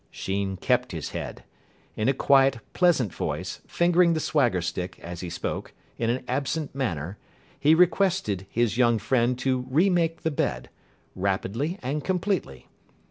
Sheen kept his head. In a quiet, pleasant voice, fingering the swagger stick, as he spoke, in an absent manner, he requested his young friend to re make the bed rapidly and completely.